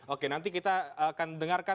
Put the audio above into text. oke nanti kita akan dengarkan